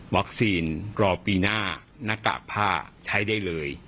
วัคซีนรอปีหน้านากากผ้าใช้ได้เลย